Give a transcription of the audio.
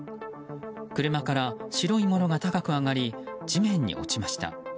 車から白いものが高く上がり地面に落ちました。